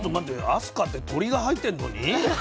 飛鳥って鳥が入ってんのに？